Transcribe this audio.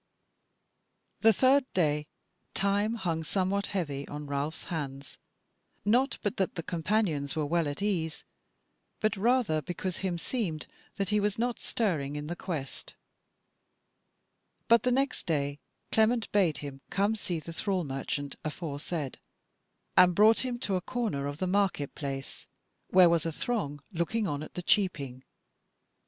The third day time hung somewhat heavy on Ralph's hands, not but that the Companions were well at ease, but rather because himseemed that he was not stirring in the quest. But the next day Clement bade him come see that thrall merchant aforesaid, and brought him to a corner of the market place, where was a throng looking on at the cheaping.